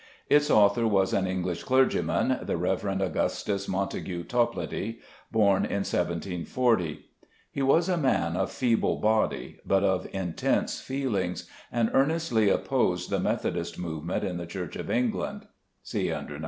Its author was an English clergyman, the Rev. Augustus Montague Toplady, born in 1740. He was a man of feeble body but of intense feelings, and earnestly opposed the Methodist movement in the Church of England (see under No.